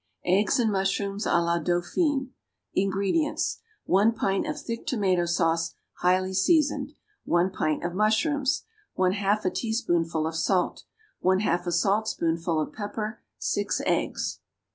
=Eggs and Mushrooms à la Dauphine.= INGREDIENTS. 1 pint of thick tomato sauce, highly seasoned. 1 pint of mushrooms. 1/2 a teaspoonful of salt. 1/2 a saltspoonful of pepper. 6 eggs.